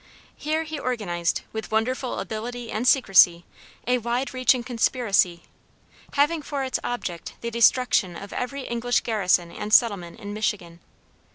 Here he organized, with wonderful ability and secrecy, a wide reaching conspiracy, having for its object the destruction of every English garrison and settlement in Michigan.